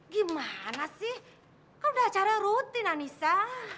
gimana sih kan udah acara rutin anissa